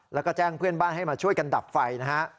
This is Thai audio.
แล้วก็แจ้งเพื่อนบ้านให้มาช่วยกันดับไฟนะฮะ